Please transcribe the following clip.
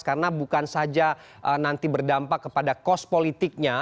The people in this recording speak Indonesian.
karena bukan saja nanti berdampak kepada kos politiknya